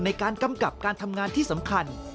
กำกับการทำงานที่สำคัญ